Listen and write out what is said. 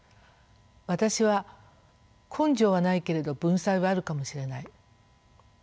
私は根性はないけれど文才はあるかもしれない。